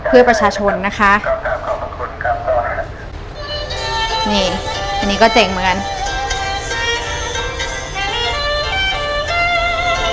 เพื่อประชาชนนะคะนี่อันนี้ก็เจ๋งเหมือนกัน